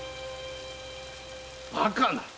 バカな！